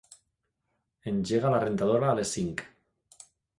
Engega la rentadora a les cinc.